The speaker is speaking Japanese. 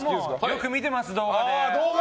よく見てます、動画で。